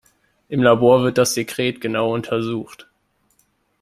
Im Labor wird das Sekret genau untersucht.